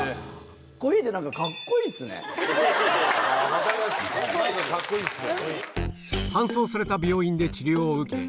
分かりますカッコいいですよ。